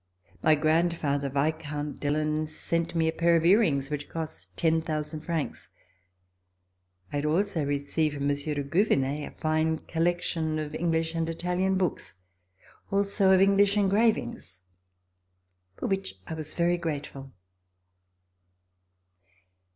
My grandfather. Vis count Dillon, sent me a pair of ear rings which cost 10,000 francs. I had also received from Monsieur de Gouvernet a fine collection of English and Italian books; also of English engravings, for which I was very grateful.